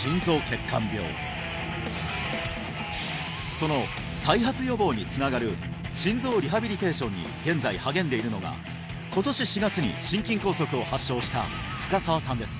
その再発予防につながる心臓リハビリテーションに現在励んでいるのが今年４月に心筋梗塞を発症した深澤さんです